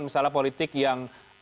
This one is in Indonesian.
misalnya politik yang